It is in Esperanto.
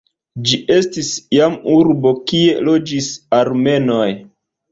Ĝi estis iam urbo kie loĝis armenoj.